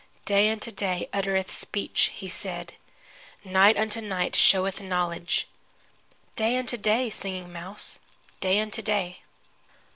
"Day unto day uttereth speech," he said; "Night unto night showeth knowledge." Day unto day, Singing Mouse. Day unto day.